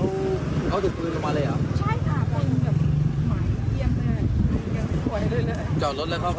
แล้วเขาหยุดปืนลงมาเลยหรอใช่ค่ะหยุดปืนลงมาเลย